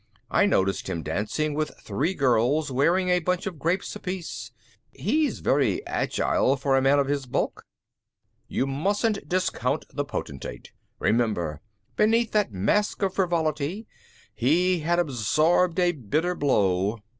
"I noticed him dancing with three girls wearing a bunch of grapes apiece. He's very agile for a man of his bulk." "You mustn't discount the Potentate! Remember, beneath that mask of frivolity, he had absorbed a bitter blow."